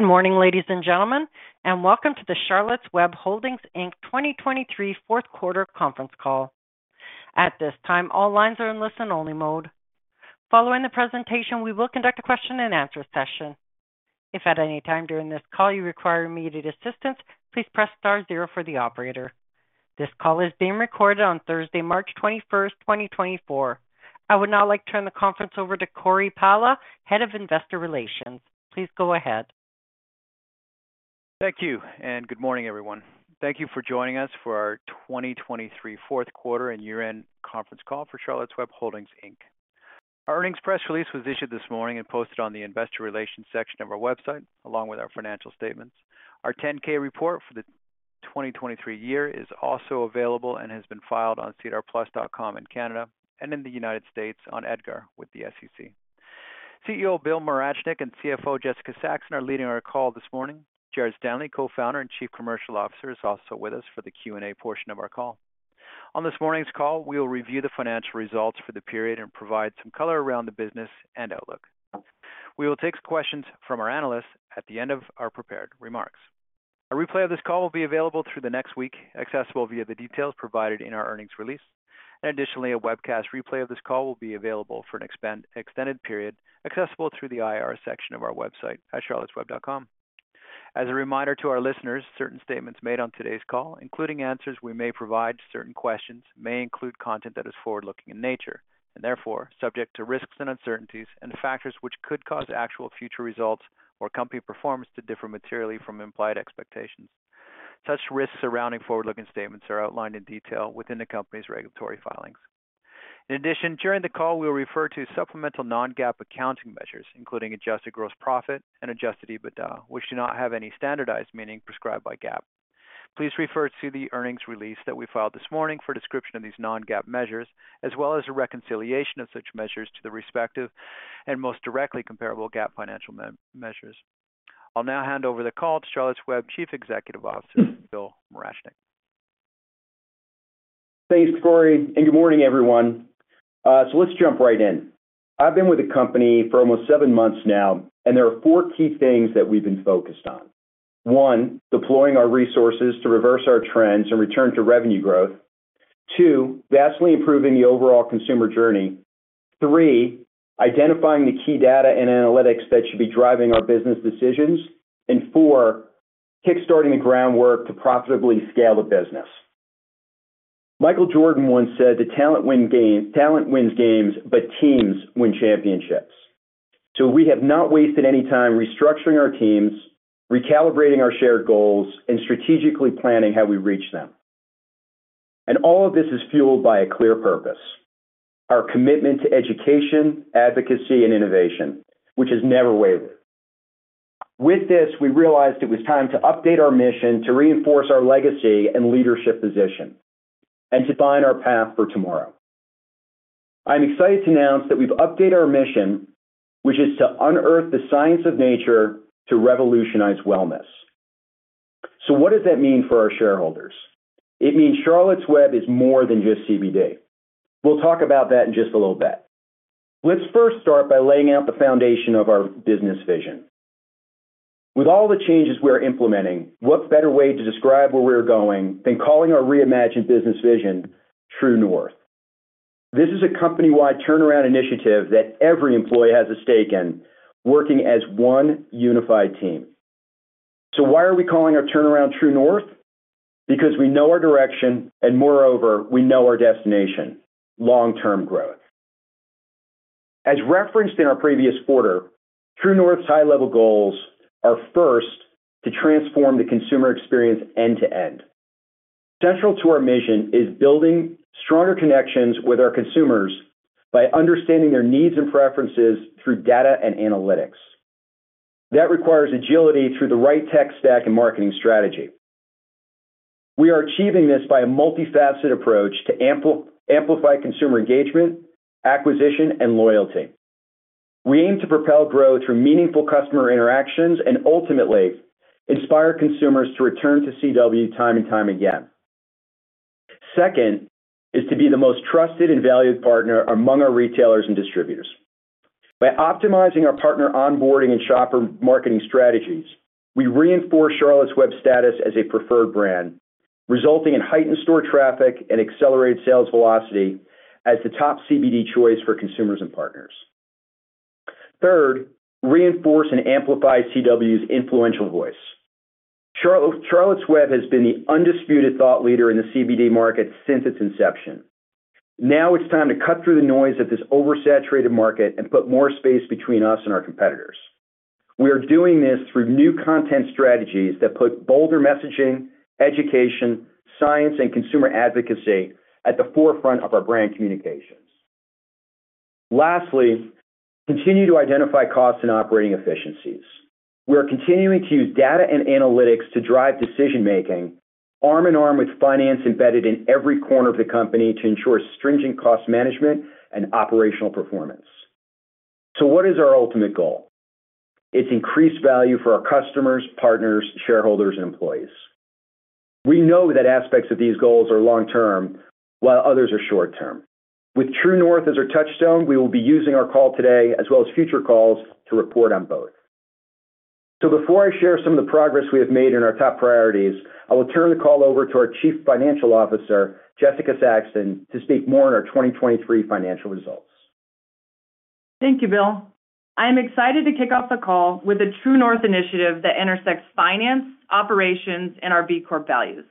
Good morning, ladies and gentlemen, and welcome to the Charlotte's Web Holdings, Inc. 2023 Q4 conference call. At this time, all lines are in listen-only mode. Following the presentation, we will conduct a Q&A session. If at any time during this call you require immediate assistance, please press star zero for the operator. This call is being recorded on Thursday, March 21st, 2024. I would now like to turn the conference over to Cory Pala, Head of Investor Relations. Please go ahead. Thank you, and good morning, everyone. Thank you for joining us for our 2023 Q4 and year-end conference call for Charlotte's Web Holdings, Inc. Our earnings press release was issued this morning and posted on the investor relations section of our website, along with our financial statements. Our 10-K report for the 2023 year is also available and has been filed on SEDAR+.com in Canada and in the United States on EDGAR with the SEC. CEO Bill Morachnick and CFO Jessica Saxton are leading our call this morning. Jared Stanley, Co-founder and Chief Commercial Officer, is also with us for the Q&A portion of our call. On this morning's call, we will review the financial results for the period and provide some color around the business and outlook. We will take some questions from our analysts at the end of our prepared remarks. A replay of this call will be available through the next week, accessible via the details provided in our earnings release. Additionally, a webcast replay of this call will be available for an extended period, accessible through the IR section of our website at charlottesweb.com. As a reminder to our listeners, certain statements made on today's call, including answers we may provide, certain questions may include content that is forward-looking in nature and therefore subject to risks and uncertainties and factors which could cause actual future results or company performance to differ materially from implied expectations. Such risks surrounding forward-looking statements are outlined in detail within the company's regulatory filings. In addition, during the call, we will refer to supplemental non-GAAP accounting measures, including adjusted gross profit and adjusted EBITDA, which do not have any standardized meaning prescribed by GAAP. Please refer to the earnings release that we filed this morning for a description of these non-GAAP measures, as well as a reconciliation of such measures to the respective and most directly comparable GAAP financial measures. I'll now hand over the call to Charlotte's Web Chief Executive Officer, Bill Morachnick. Thanks, Cory, and good morning, everyone. Let's jump right in. I've been with the company for almost seven months now, and there are four key things that we've been focused on. One, deploying our resources to reverse our trends and return to revenue growth. Two, vastly improving the overall consumer journey. Three, identifying the key data and analytics that should be driving our business decisions. And four, kickstarting the groundwork to profitably scale the business. Michael Jordan once said, "The talent wins games, but teams win championships." We have not wasted any time restructuring our teams, recalibrating our shared goals, and strategically planning how we reach them. All of this is fueled by a clear purpose: our commitment to education, advocacy, and innovation, which has never wavered. With this, we realized it was time to update our mission, to reinforce our legacy and leadership position, and to define our path for tomorrow. I'm excited to announce that we've updated our mission, which is to unearth the science of nature to revolutionize wellness. So what does that mean for our shareholders? It means Charlotte's Web is more than just CBD. We'll talk about that in just a little bit. Let's first start by laying out the foundation of our business vision. With all the changes we are implementing, what better way to describe where we're going than calling our reimagined business vision True North? This is a company-wide turnaround initiative that every employee has a stake in, working as one unified team. So why are we calling our turnaround True North? Because we know our direction, and moreover, we know our destination: long-term growth. As referenced in our previous quarter, True North's high-level goals are first to transform the consumer experience end-to-end. Central to our mission is building stronger connections with our consumers by understanding their needs and preferences through data and analytics. That requires agility through the right tech stack and marketing strategy. We are achieving this by a multifaceted approach to amplify consumer engagement, acquisition, and loyalty. We aim to propel growth through meaningful customer interactions and ultimately inspire consumers to return to CW time and time again. Second is to be the most trusted and valued partner among our retailers and distributors. By optimizing our partner onboarding and shopper marketing strategies, we reinforce Charlotte's Web status as a preferred brand, resulting in heightened store traffic and accelerated sales velocity as the top CBD choice for consumers and partners. Third, reinforce and amplify CW's influential voice. Charlotte's Web has been the undisputed thought leader in the CBD market since its inception. Now it's time to cut through the noise of this oversaturated market and put more space between us and our competitors. We are doing this through new content strategies that put bolder messaging, education, science, and consumer advocacy at the forefront of our brand communications. Lastly, continue to identify costs and operating efficiencies. We are continuing to use data and analytics to drive decision-making, arm in arm with finance embedded in every corner of the company to ensure stringent cost management and operational performance. So what is our ultimate goal? It's increased value for our customers, partners, shareholders, and employees. We know that aspects of these goals are long-term, while others are short-term. With True North as our touchstone, we will be using our call today, as well as future calls, to report on both. Before I share some of the progress we have made in our top priorities, I will turn the call over to our Chief Financial Officer, Jessica Saxton, to speak more on our 2023 financial results. Thank you, Bill. I am excited to kick off the call with a True North initiative that intersects finance, operations, and our B Corp values.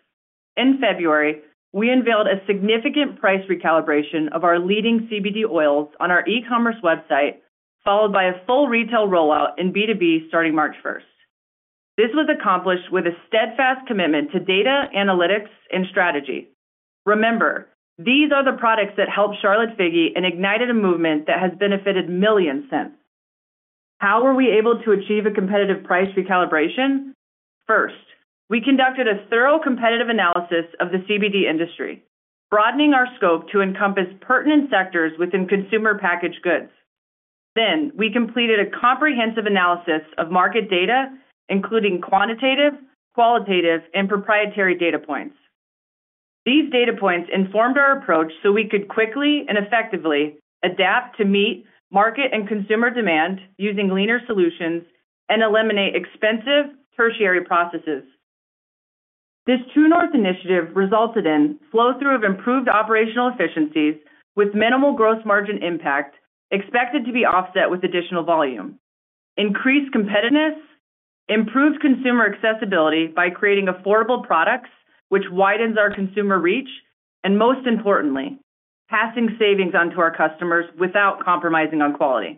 In February, we unveiled a significant price recalibration of our leading CBD oils on our e-commerce website, followed by a full retail rollout in B2B starting March 1st. This was accomplished with a steadfast commitment to data, analytics, and strategy. Remember, these are the products that helped Charlotte Figi and ignited a movement that has benefited millions since. How were we able to achieve a competitive price recalibration? First, we conducted a thorough competitive analysis of the CBD industry, broadening our scope to encompass pertinent sectors within consumer packaged goods. Then we completed a comprehensive analysis of market data, including quantitative, qualitative, and proprietary data points. These data points informed our approach so we could quickly and effectively adapt to meet market and consumer demand using leaner solutions and eliminate expensive tertiary processes. This True North initiative resulted in a flow-through of improved operational efficiencies with minimal gross margin impact expected to be offset with additional volume, increased competitiveness, improved consumer accessibility by creating affordable products which widens our consumer reach, and most importantly, passing savings onto our customers without compromising on quality.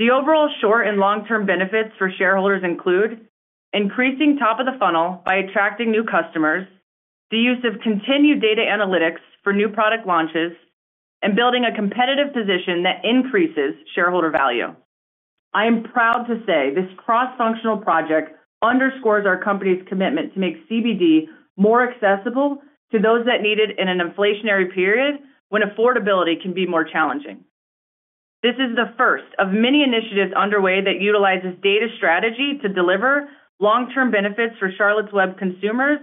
The overall short and long-term benefits for shareholders include increasing top-of-the-funnel by attracting new customers, the use of continued data analytics for new product launches, and building a competitive position that increases shareholder value. I am proud to say this cross-functional project underscores our company's commitment to make CBD more accessible to those that need it in an inflationary period when affordability can be more challenging. This is the first of many initiatives underway that utilizes data strategy to deliver long-term benefits for Charlotte's Web consumers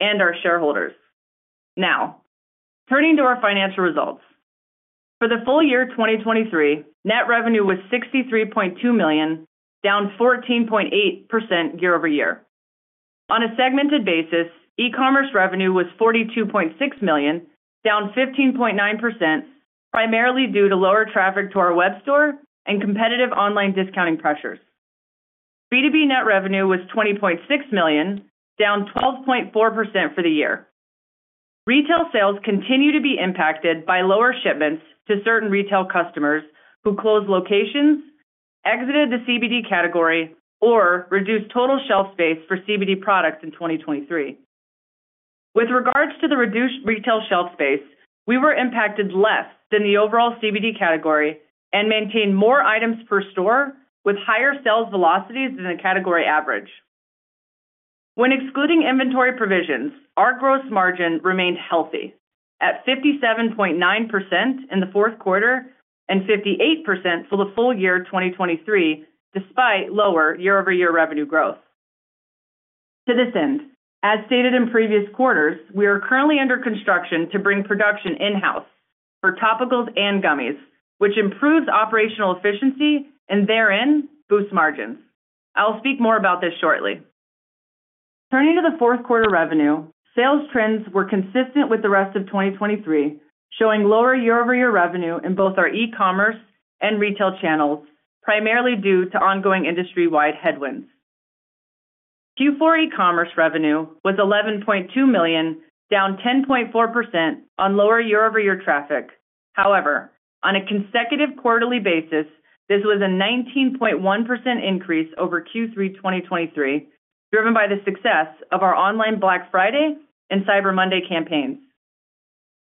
and our shareholders. Now, turning to our financial results. For the full year 2023, net revenue was $63.2 million, down 14.8% year-over-year. On a segmented basis, e-commerce revenue was $42.6 million, down 15.9%, primarily due to lower traffic to our web store and competitive online discounting pressures. B2B net revenue was $20.6 million, down 12.4% for the year. Retail sales continue to be impacted by lower shipments to certain retail customers who closed locations, exited the CBD category, or reduced total shelf space for CBD products in 2023. With regards to the reduced retail shelf space, we were impacted less than the overall CBD category and maintained more items per store with higher sales velocities than the category average. When excluding inventory provisions, our gross margin remained healthy at 57.9% in the Q4 and 58% for the full year 2023, despite lower year-over-year revenue growth. To this end, as stated in previous quarters, we are currently under construction to bring production in-house for topicals and gummies, which improves operational efficiency and therein boosts margins. I'll speak more about this shortly. Turning to the Q4 revenue, sales trends were consistent with the rest of 2023, showing lower year-over-year revenue in both our e-commerce and retail channels, primarily due to ongoing industry-wide headwinds. Q4 e-commerce revenue was $11.2 million, down 10.4% on lower year-over-year traffic. However, on a consecutive quarterly basis, this was a 19.1% increase over Q3 2023, driven by the success of our online Black Friday and Cyber Monday campaigns.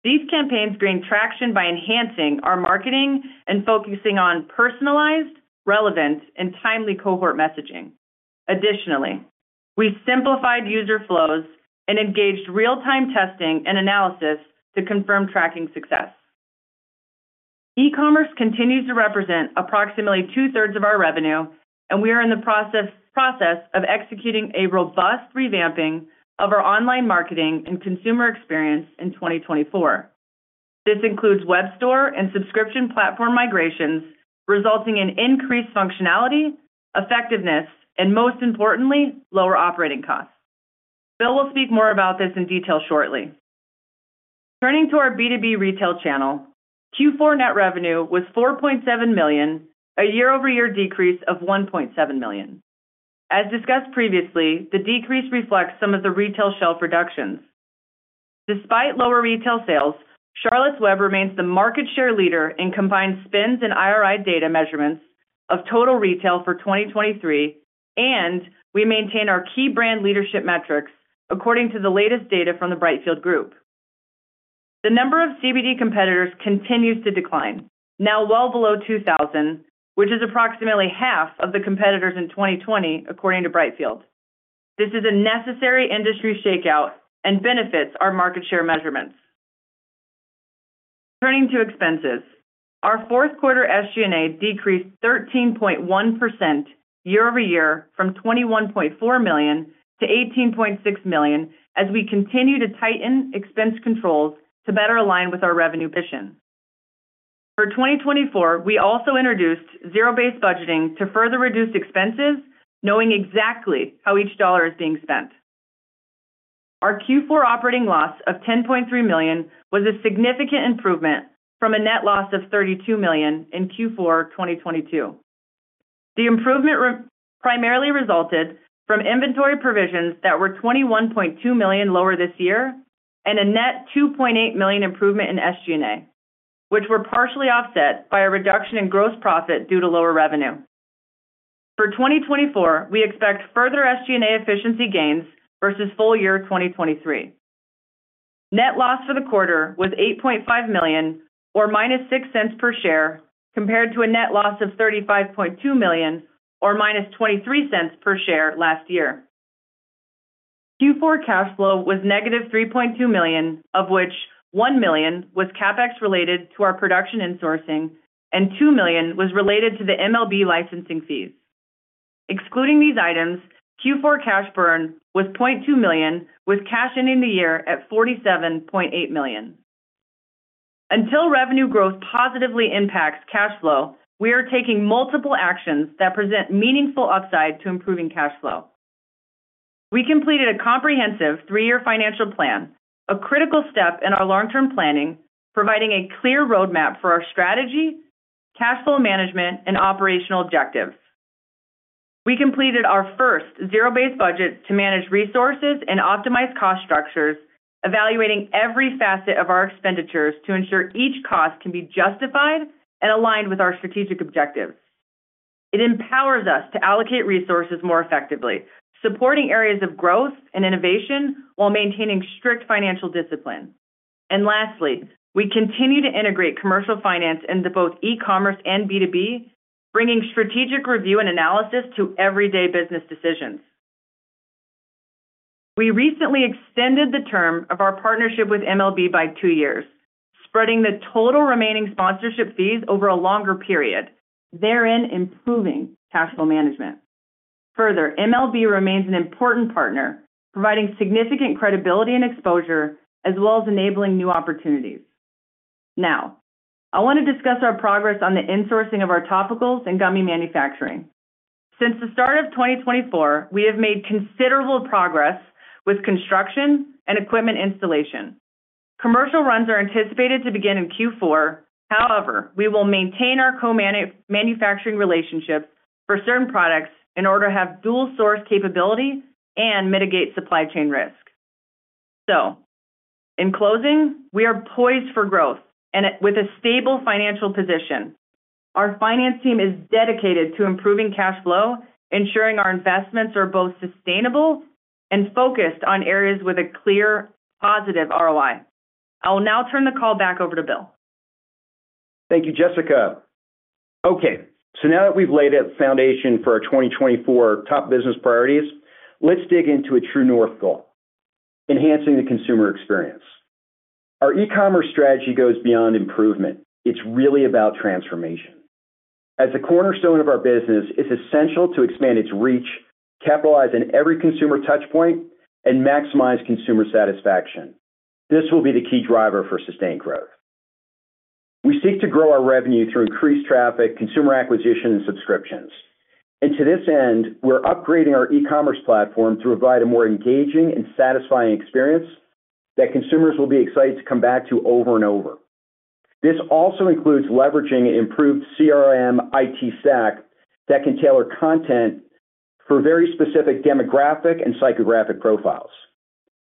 These campaigns gained traction by enhancing our marketing and focusing on personalized, relevant, and timely cohort messaging. Additionally, we simplified user flows and engaged real-time testing and analysis to confirm tracking success. E-commerce continues to represent approximately two-thirds of our revenue, and we are in the process of executing a robust revamping of our online marketing and consumer experience in 2024. This includes web store and subscription platform migrations, resulting in increased functionality, effectiveness, and most importantly, lower operating costs. Bill will speak more about this in detail shortly. Turning to our B2B retail channel, Q4 net revenue was $4.7 million, a year-over-year decrease of $1.7 million. As discussed previously, the decrease reflects some of the retail shelf reductions. Despite lower retail sales, Charlotte's Web remains the market share leader in combined SPINS and IRI data measurements of total retail for 2023, and we maintain our key brand leadership metrics according to the latest data from the Brightfield Group. The number of CBD competitors continues to decline, now well below 2,000, which is approximately half of the competitors in 2020, according to Brightfield. This is a necessary industry shakeout and benefits our market share measurements. Turning to expenses, our Q4 SG&A decreased 13.1% year-over-year from $21.4 million to $18.6 million as we continue to tighten expense controls to better align with our revenue vision. For 2024, we also introduced zero-based budgeting to further reduce expenses, knowing exactly how each dollar is being spent. Our Q4 operating loss of $10.3 million was a significant improvement from a net loss of $32 million in Q4 2022. The improvement primarily resulted from inventory provisions that were $21.2 million lower this year and a net $2.8 million improvement in SG&A, which were partially offset by a reduction in gross profit due to lower revenue. For 2024, we expect further SG&A efficiency gains versus full year 2023. Net loss for the quarter was $8.5 million or -$0.06 per share compared to a net loss of $35.2 million or -$0.23 per share last year. Q4 cash flow was -$3.2 million, of which $1 million was CapEx related to our production insourcing and $2 million was related to the MLB licensing fees. Excluding these items, Q4 cash burn was $0.2 million, with cash ending the year at $47.8 million. Until revenue growth positively impacts cash flow, we are taking multiple actions that present meaningful upside to improving cash flow. We completed a comprehensive three-year financial plan, a critical step in our long-term planning, providing a clear roadmap for our strategy, cash flow management, and operational objectives. We completed our first zero-based budget to manage resources and optimize cost structures, evaluating every facet of our expenditures to ensure each cost can be justified and aligned with our strategic objectives. It empowers us to allocate resources more effectively, supporting areas of growth and innovation while maintaining strict financial discipline. Lastly, we continue to integrate commercial finance into both e-commerce and B2B, bringing strategic review and analysis to everyday business decisions. We recently extended the term of our partnership with MLB by two years, spreading the total remaining sponsorship fees over a longer period, therein improving cash flow management. Further, MLB remains an important partner, providing significant credibility and exposure, as well as enabling new opportunities. Now, I want to discuss our progress on the insourcing of our topicals and gummy manufacturing. Since the start of 2024, we have made considerable progress with construction and equipment installation. Commercial runs are anticipated to begin in Q4. However, we will maintain our co-manufacturing relationships for certain products in order to have dual-source capability and mitigate supply chain risk. In closing, we are poised for growth and with a stable financial position. Our finance team is dedicated to improving cash flow, ensuring our investments are both sustainable and focused on areas with a clear, positive ROI. I will now turn the call back over to Bill. Thank you, Jessica. Okay, so now that we've laid a foundation for our 2024 top business priorities, let's dig into a True North goal: enhancing the consumer experience. Our e-commerce strategy goes beyond improvement. It's really about transformation. As a cornerstone of our business, it's essential to expand its reach, capitalize on every consumer touchpoint, and maximize consumer satisfaction. This will be the key driver for sustained growth. We seek to grow our revenue through increased traffic, consumer acquisition, and subscriptions. To this end, we're upgrading our e-commerce platform to provide a more engaging and satisfying experience that consumers will be excited to come back to over and over. This also includes leveraging an improved CRM IT stack that can tailor content for very specific demographic and psychographic profiles.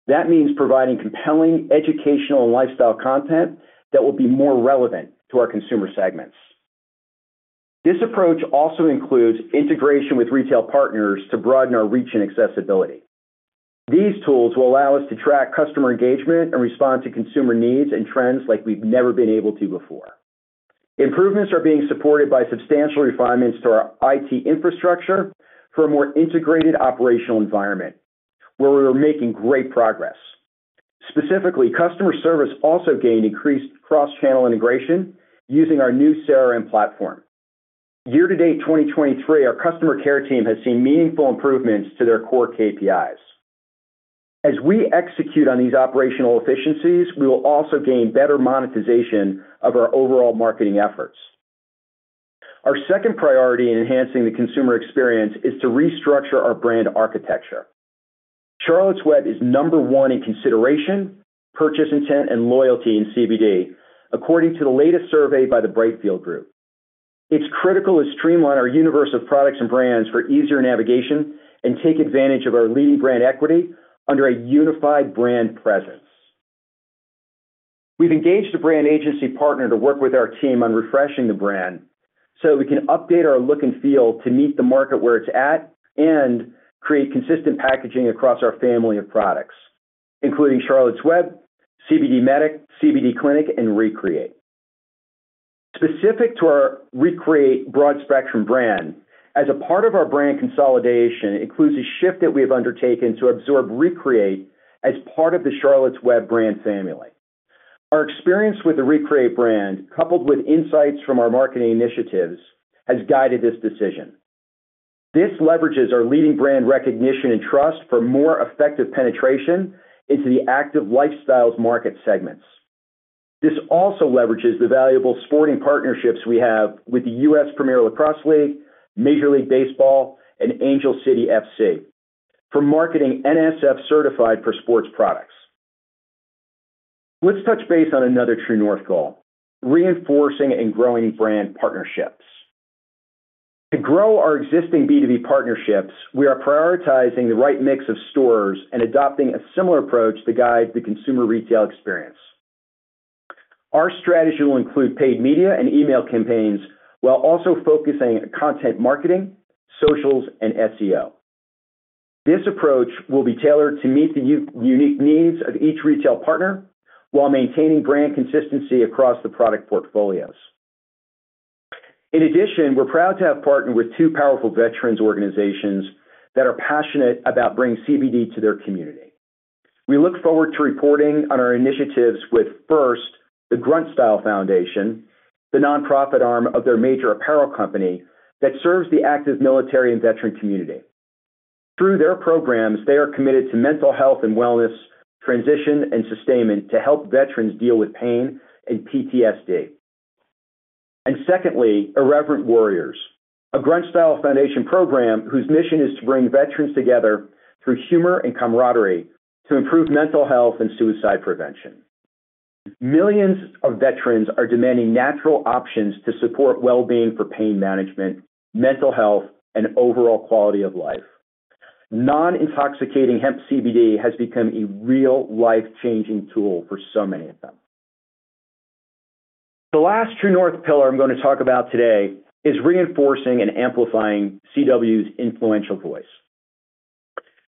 That means providing compelling educational and lifestyle content that will be more relevant to our consumer segments. This approach also includes integration with retail partners to broaden our reach and accessibility. These tools will allow us to track customer engagement and respond to consumer needs and trends like we've never been able to before. Improvements are being supported by substantial refinements to our IT infrastructure for a more integrated operational environment, where we are making great progress. Specifically, customer service also gained increased cross-channel integration using our new CRM platform. Year-to-date 2023, our customer care team has seen meaningful improvements to their core KPIs. As we execute on these operational efficiencies, we will also gain better monetization of our overall marketing efforts. Our second priority in enhancing the consumer experience is to restructure our brand architecture. Charlotte's Web is number one in consideration, purchase intent, and loyalty in CBD, according to the latest survey by the Brightfield Group. It's critical to streamline our universe of products and brands for easier navigation and take advantage of our leading brand equity under a unified brand presence. We've engaged a brand agency partner to work with our team on refreshing the brand so that we can update our look and feel to meet the market where it's at and create consistent packaging across our family of products, including Charlotte's Web, CBDMEDIC, CBD CLINIC, and ReCreate. Specific to our ReCreate broad-spectrum brand, as a part of our brand consolidation, it includes a shift that we have undertaken to absorb ReCreate as part of the Charlotte's Web brand family. Our experience with the ReCreate brand, coupled with insights from our marketing initiatives, has guided this decision. This leverages our leading brand recognition and trust for more effective penetration into the active lifestyles market segments. This also leverages the valuable sporting partnerships we have with the Premier Lacrosse League, Major League Baseball, and Angel City FC for marketing NSF-certified for sports products. Let's touch base on another True North goal: reinforcing and growing brand partnerships. To grow our existing B2B partnerships, we are prioritizing the right mix of stores and adopting a similar approach to guide the consumer retail experience. Our strategy will include paid media and email campaigns while also focusing on content marketing, socials, and SEO. This approach will be tailored to meet the unique needs of each retail partner while maintaining brand consistency across the product portfolios. In addition, we're proud to have partnered with two powerful veterans organizations that are passionate about bringing CBD to their community. We look forward to reporting on our initiatives with first, the Grunt Style Foundation, the nonprofit arm of their major apparel company that serves the active military and veteran community. Through their programs, they are committed to mental health and wellness, transition, and sustainment to help veterans deal with pain and PTSD. And secondly, Irreverent Warriors, a Grunt Style Foundation program whose mission is to bring veterans together through humor and camaraderie to improve mental health and suicide prevention. Millions of veterans are demanding natural options to support well-being for pain management, mental health, and overall quality of life. Non-intoxicating hemp CBD has become a real-life-changing tool for so many of them. The last True North pillar I'm going to talk about today is reinforcing and amplifying CW's influential voice.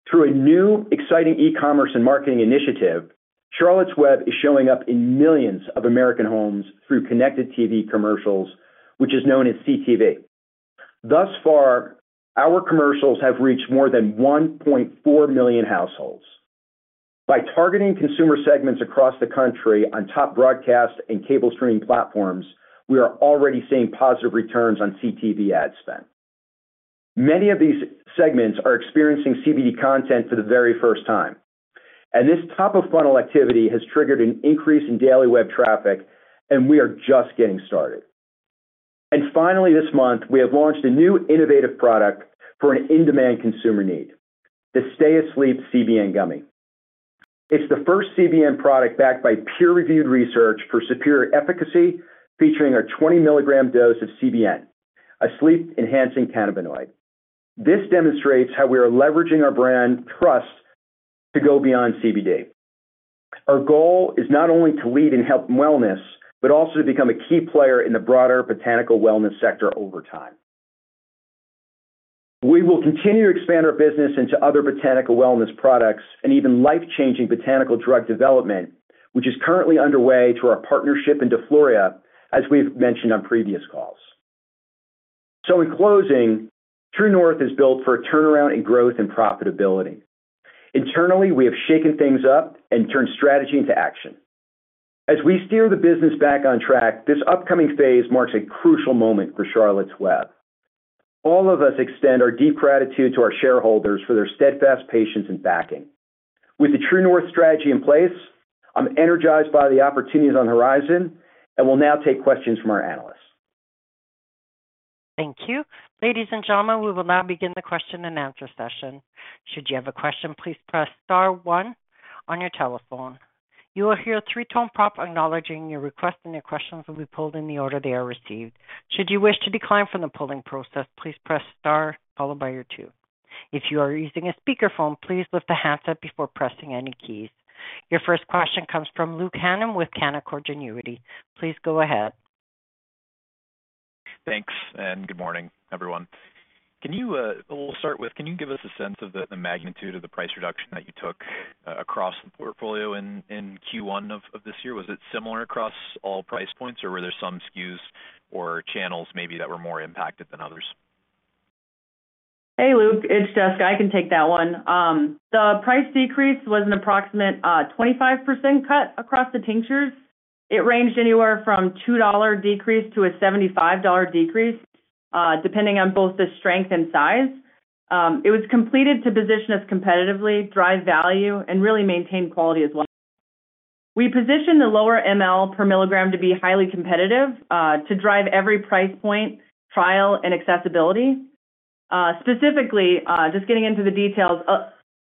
Through a new, exciting e-commerce and marketing initiative, Charlotte's Web is showing up in millions of American homes through connected TV commercials, which is known as CTV. Thus far, our commercials have reached more than 1.4 million households. By targeting consumer segments across the country on top broadcast and cable streaming platforms, we are already seeing positive returns on CTV ad spend. Many of these segments are experiencing CBD content for the very first time. And this top-of-funnel activity has triggered an increase in daily web traffic, and we are just getting started. And finally, this month, we have launched a new innovative product for an in-demand consumer need: the Stay Asleep CBN Gummies. It's the first CBN product backed by peer-reviewed research for superior efficacy, featuring a 20 mg dose of CBN, a sleep-enhancing cannabinoid. This demonstrates how we are leveraging our brand trust to go beyond CBD. Our goal is not only to lead in health and wellness but also to become a key player in the broader botanical wellness sector over time. We will continue to expand our business into other botanical wellness products and even life-changing botanical drug development, which is currently underway through our partnership in DeFloria, as we've mentioned on previous calls. So in closing, True North is built for a turnaround in growth and profitability. Internally, we have shaken things up and turned strategy into action. As we steer the business back on track, this upcoming phase marks a crucial moment for Charlotte's Web. All of us extend our deep gratitude to our shareholders for their steadfast patience and backing. With the True North strategy in place, I'm energized by the opportunities on the horizon and will now take questions from our analysts. Thank you. Ladies and gentlemen, we will now begin the Q&A session. Should you have a question, please press star one on your telephone. You will hear a three-tone prompt acknowledging your request and your questions will be pulled in the order they are received. Should you wish to decline from the pulling process, please press star followed by the two. If you are using a speakerphone, please lift the handset before pressing any keys. Your first question comes from Luke Hannan with Canaccord Genuity. Please go ahead. Thanks, and good morning, everyone. We'll start with, can you give us a sense of the magnitude of the price reduction that you took across the portfolio in Q1 of this year? Was it similar across all price points, or were there some SKUs or channels maybe that were more impacted than others? Hey, Luke. It's Jessica. I can take that one. The price decrease was an approximate 25% cut across the tinctures. It ranged anywhere from a $2 decrease to a $75 decrease, depending on both the strength and size. It was completed to position us competitively, drive value, and really maintain quality as well. We positioned the lower ML per milligram to be highly competitive to drive every price point, trial, and accessibility. Specifically, just getting into the details,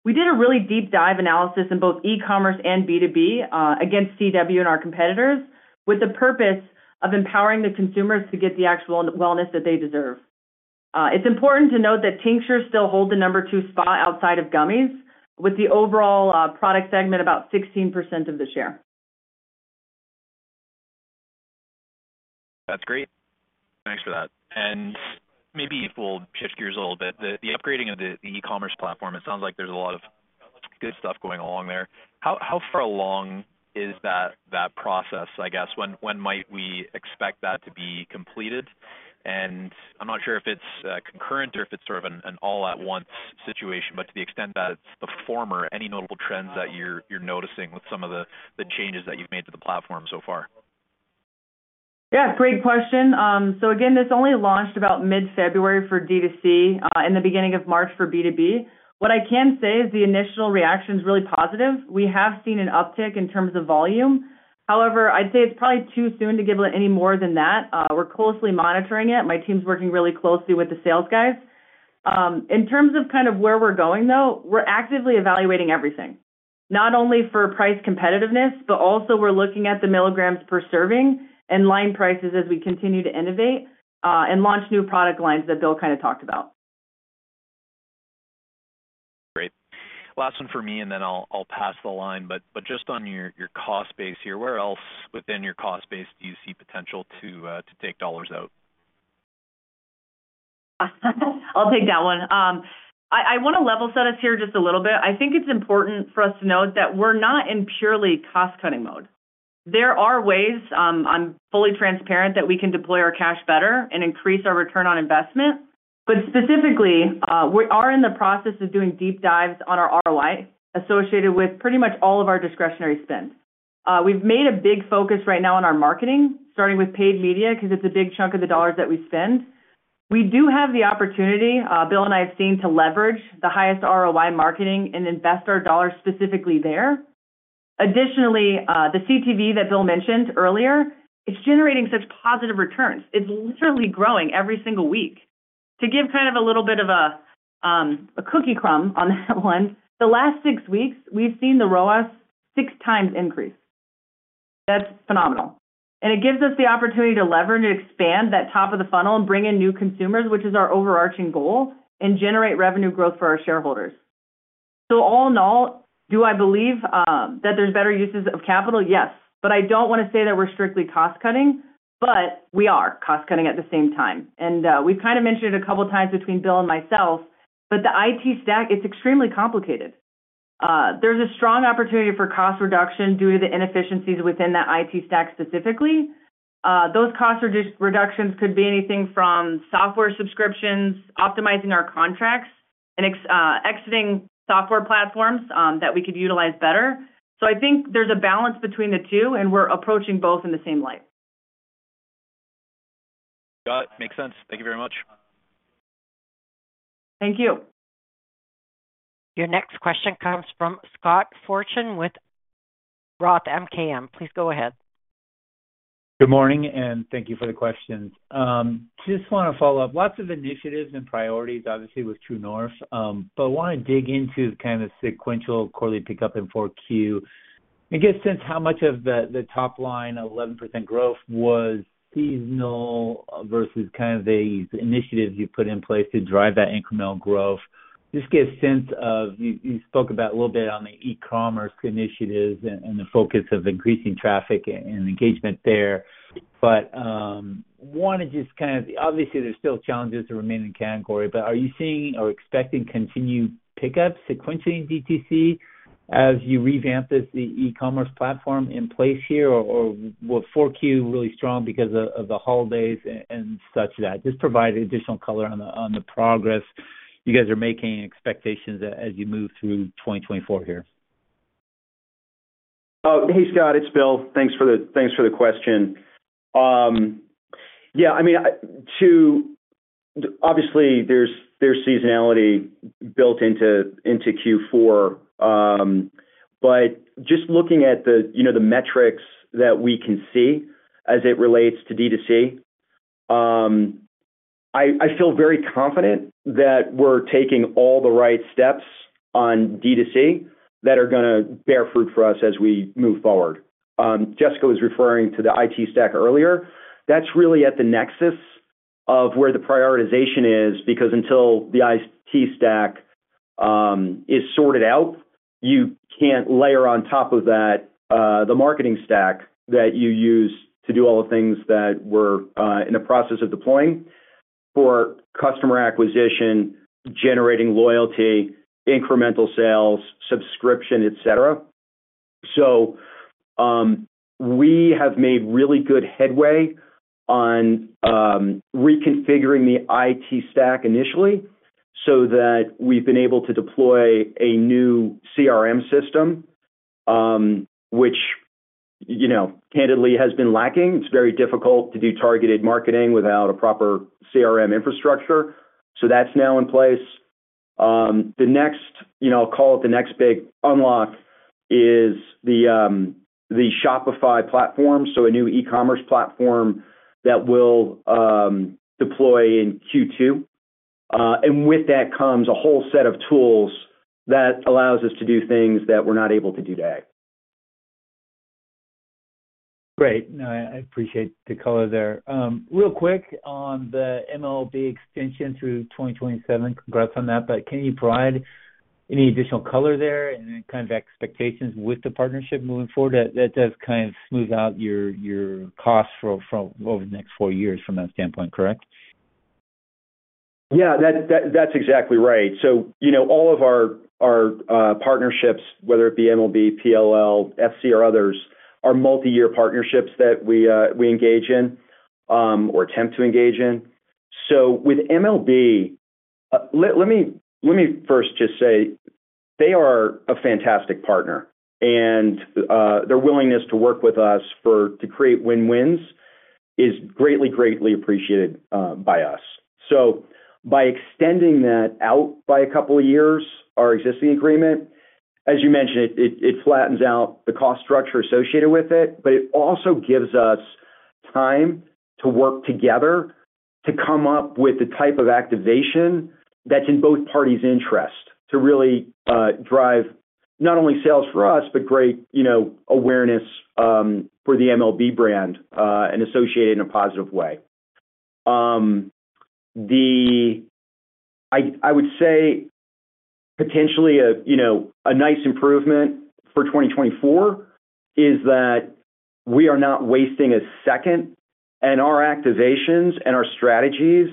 we did a really deep dive analysis in both e-commerce and B2B against CW and our competitors with the purpose of empowering the consumers to get the actual wellness that they deserve. It's important to note that tinctures still hold the number two spot outside of gummies, with the overall product segment about 16% of the share. That's great. Thanks for that. And maybe if we'll shift gears a little bit, the upgrading of the e-commerce platform. It sounds like there's a lot of good stuff going along there. How far along is that process, I guess? When might we expect that to be completed? And I'm not sure if it's concurrent or if it's sort of an all-at-once situation, but to the extent that it's the former, any notable trends that you're noticing with some of the changes that you've made to the platform so far? Yeah, great question. So again, this only launched about mid-February for D2C and the beginning of March for B2B. What I can say is the initial reaction is really positive. We have seen an uptick in terms of volume. However, I'd say it's probably too soon to give it any more than that. We're closely monitoring it. My team's working really closely with the sales guys. In terms of kind of where we're going, though, we're actively evaluating everything, not only for price competitiveness, but also we're looking at the milligrams per serving and line prices as we continue to innovate and launch new product lines that Bill kind of talked about. Great. Last one for me, and then I'll pass the line. Just on your cost base here, where else within your cost base do you see potential to take dollars out? I'll take that one. I want to level set us here just a little bit. I think it's important for us to note that we're not in purely cost-cutting mode. There are ways, I'm fully transparent, that we can deploy our cash better and increase our return on investment. But specifically, we are in the process of doing deep dives on our ROI associated with pretty much all of our discretionary spend. We've made a big focus right now on our marketing, starting with paid media because it's a big chunk of the dollars that we spend. We do have the opportunity, Bill and I have seen, to leverage the highest ROI marketing and invest our dollars specifically there. Additionally, the CTV that Bill mentioned earlier, it's generating such positive returns. It's literally growing every single week. To give kind of a little bit of a cookie crumb on that one, the last six weeks, we've seen the ROAS 6x increase. That's phenomenal. It gives us the opportunity to leverage and expand that top of the funnel and bring in new consumers, which is our overarching goal, and generate revenue growth for our shareholders. So all in all, do I believe that there's better uses of capital? Yes. But I don't want to say that we're strictly cost-cutting, but we are cost-cutting at the same time. We've kind of mentioned it a couple of times between Bill and myself, but the IT stack, it's extremely complicated. There's a strong opportunity for cost reduction due to the inefficiencies within that IT stack specifically. Those cost reductions could be anything from software subscriptions, optimizing our contracts, and exiting software platforms that we could utilize better. I think there's a balance between the two, and we're approaching both in the same light. Got it. Makes sense. Thank you very much. Thank you. Your next question comes from Scott Fortune with ROTH MKM. Please go ahead. Good morning, and thank you for the questions. Just want to follow up. Lots of initiatives and priorities, obviously, with True North, but I want to dig into kind of sequential, correlate pickup in Q4. I get a sense how much of the top line, 11% growth, was seasonal versus kind of these initiatives you put in place to drive that incremental growth. Just get a sense of you spoke about a little bit on the e-commerce initiatives and the focus of increasing traffic and engagement there. But want to just kind of obviously, there's still challenges to remain in category, but are you seeing or expecting continued pickup, sequencing DTC, as you revamp this e-commerce platform in place here? Or was Q4 really strong because of the holidays and such that? Just provide additional color on the progress you guys are making and expectations as you move through 2024 here. Hey, Scott. It's Bill. Thanks for the question. Yeah, I mean, obviously, there's seasonality built into Q4. But just looking at the metrics that we can see as it relates to DTC, I feel very confident that we're taking all the right steps on DTC that are going to bear fruit for us as we move forward. Jessica was referring to the IT stack earlier. That's really at the nexus of where the prioritization is because until the IT stack is sorted out, you can't layer on top of that the marketing stack that you use to do all the things that were in the process of deploying for customer acquisition, generating loyalty, incremental sales, subscription, etc. So we have made really good headway on reconfiguring the IT stack initially so that we've been able to deploy a new CRM system, which candidly has been lacking. It's very difficult to do targeted marketing without a proper CRM infrastructure. So that's now in place. I'll call it the next big unlock is the Shopify platform, so a new e-commerce platform that will deploy in Q2. And with that comes a whole set of tools that allows us to do things that we're not able to do today. Great. No, I appreciate the color there. Real quick on the MLB extension through 2027, congrats on that. But can you provide any additional color there and kind of expectations with the partnership moving forward? That does kind of smooth out your costs over the next four years from that standpoint, correct? Yeah, that's exactly right. So all of our partnerships, whether it be MLB, PLL, FC, or others, are multi-year partnerships that we engage in or attempt to engage in. So with MLB, let me first just say they are a fantastic partner, and their willingness to work with us to create win-wins is greatly, greatly appreciated by us. So by extending that out by a couple of years, our existing agreement, as you mentioned, it flattens out the cost structure associated with it, but it also gives us time to work together to come up with the type of activation that's in both parties' interest to really drive not only sales for us but great awareness for the MLB brand and associate it in a positive way. I would say potentially a nice improvement for 2024 is that we are not wasting a second, and our activations and our strategies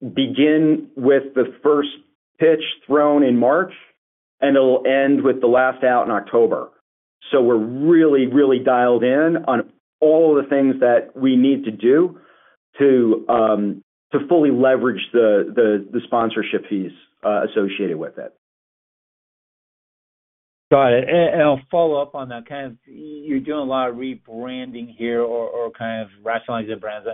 begin with the first pitch thrown in March, and it'll end with the last out in October. So we're really, really dialed in on all of the things that we need to do to fully leverage the sponsorship fees associated with it. Got it. I'll follow up on that. Kind of, you're doing a lot of rebranding here or kind of rationalizing brands,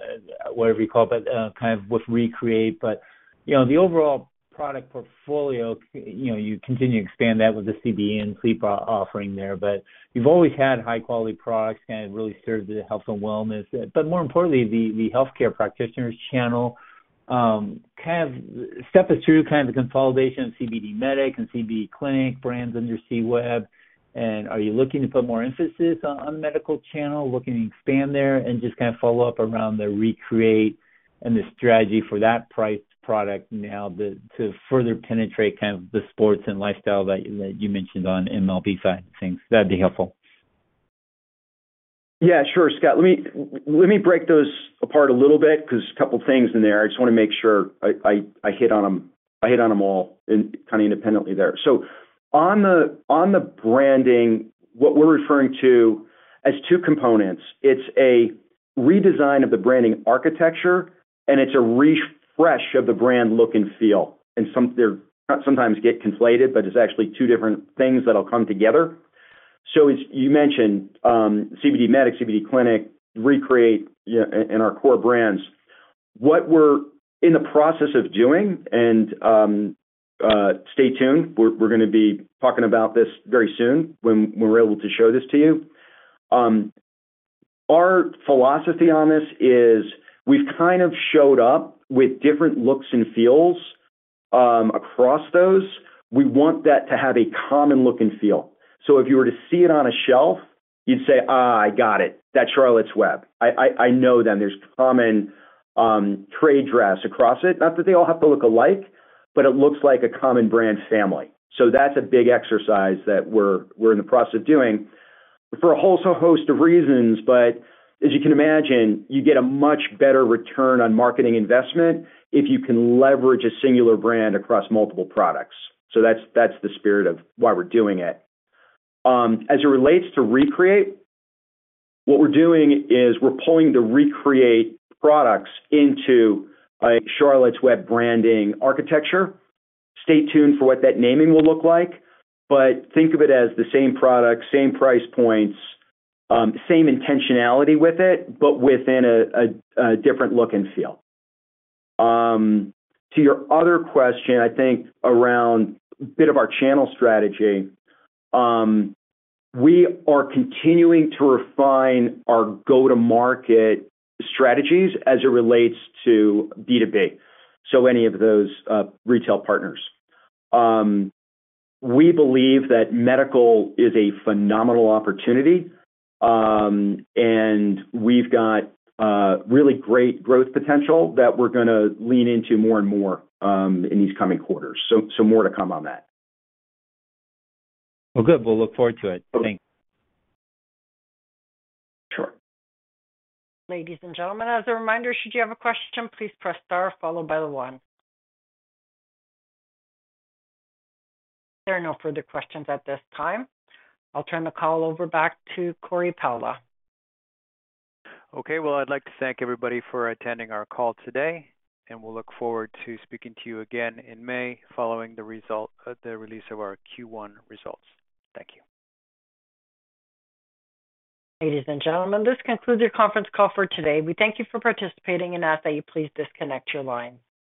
whatever you call it, but kind of with ReCreate. But the overall product portfolio, you continue to expand that with the CBN and Sleep offering there. But you've always had high-quality products kind of really served the health and wellness. But more importantly, the healthcare practitioners channel. Kind of, step us through kind of the consolidation of CBDMEDIC and CBD CLINIC brands under CWEB. And are you looking to put more emphasis on the medical channel, looking to expand there, and just kind of follow up around the ReCreate and the strategy for that priced product now to further penetrate kind of the sports and lifestyle that you mentioned on MLB side of things? That'd be helpful. Yeah, sure, Scott. Let me break those apart a little bit because a couple of things in there. I just want to make sure I hit on them all kind of independently there. So on the branding, what we're referring to as two components, it's a redesign of the branding architecture, and it's a refresh of the brand look and feel. And they sometimes get conflated, but it's actually two different things that'll come together. So you mentioned CBDMEDIC, CBD CLINIC, ReCreate and our core brands. What we're in the process of doing and stay tuned. We're going to be talking about this very soon when we're able to show this to you. Our philosophy on this is we've kind of showed up with different looks and feels across those. We want that to have a common look and feel. So if you were to see it on a shelf, you'd say, "I got it. That's Charlotte's Web." I know them. There's common trade dress across it. Not that they all have to look alike, but it looks like a common brand family. So that's a big exercise that we're in the process of doing for a whole host of reasons. But as you can imagine, you get a much better return on marketing investment if you can leverage a singular brand across multiple products. So that's the spirit of why we're doing it. As it relates to ReCreate, what we're doing is we're pulling the ReCreate products into a Charlotte's Web branding architecture. Stay tuned for what that naming will look like, but think of it as the same products, same price points, same intentionality with it, but within a different look and feel. To your other question, I think around a bit of our channel strategy, we are continuing to refine our go-to-market strategies as it relates to B2B, so any of those retail partners. We believe that medical is a phenomenal opportunity, and we've got really great growth potential that we're going to lean into more and more in these coming quarters. So more to come on that. Well, good. We'll look forward to it. Thanks. Sure. Ladies and gentlemen, as a reminder, should you have a question, please press star followed by the one. There are no further questions at this time. I'll turn the call over back to Cory Pala. Okay. Well, I'd like to thank everybody for attending our call today, and we'll look forward to speaking to you again in May following the release of our Q1 results. Thank you. Ladies and gentlemen, this concludes our conference call for today. We thank you for participating, and ask that you please disconnect your line.